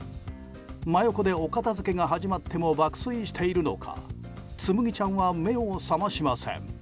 真横でお片付けが始まっても爆睡しているのかつむぎちゃんは目を覚ましません。